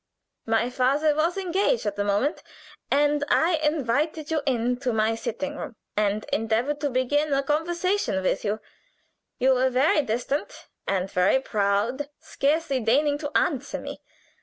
My father was engaged at the moment, and I invited you into my sitting room and endeavored to begin a conversation with you. You were very distant and very proud, scarcely deigning to answer me.